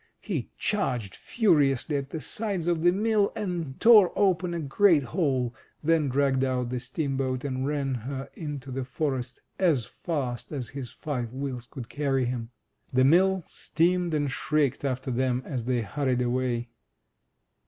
He charged furiously at the sides of the mill, and tore open a great hole, then dragged out the steamboat, and ran her into the forest as fast as his five wheels could carry him. The mill screamed and shrieked after them as they hurried away.